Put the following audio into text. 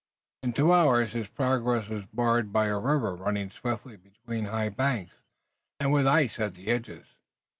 In two hours his progress was barred by a river running swiftly between high banks, and with ice at the edges.